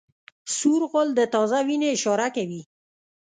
سور غول د تازه وینې اشاره کوي.